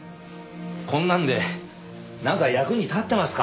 こんなのでなんか役に立ってますか？